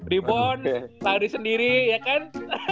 rebound lari sendiri ya kan